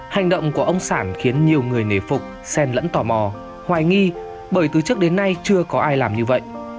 hành động của ông sản khiến nhiều người nể phục sen lẫn tò mò hoài nghi bởi từ trước đến nay chưa có ai làm như vậy